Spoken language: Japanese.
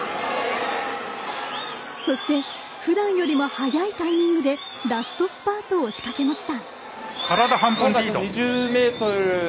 そして、ふだんよりも早いタイミングでラストスパートを仕掛けました。